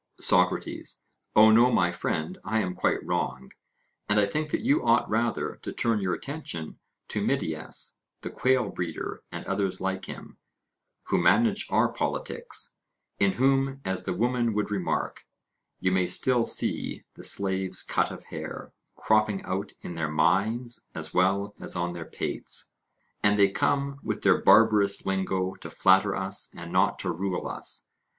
SOCRATES: Oh no, my friend, I am quite wrong, and I think that you ought rather to turn your attention to Midias the quail breeder and others like him, who manage our politics; in whom, as the women would remark, you may still see the slaves' cut of hair, cropping out in their minds as well as on their pates; and they come with their barbarous lingo to flatter us and not to rule us.